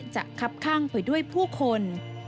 คับข้างไปด้วยผู้คน